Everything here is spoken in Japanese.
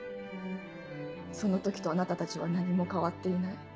その時とあなたたちは何も変わっていない。